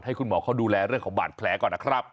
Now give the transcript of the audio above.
คุณหมอเขาดูแลเรื่องของบาดแผลก่อนนะครับ